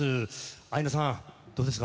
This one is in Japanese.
アイナさん、どうですか？